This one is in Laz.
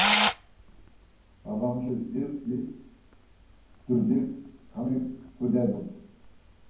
Babamuşi dzirusi, dudi kamiǩudelu.